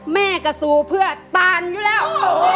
แม่ก็สู้เพื่อตานอยู่แล้ว